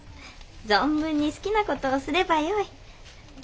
存分に好きな事をすればよい。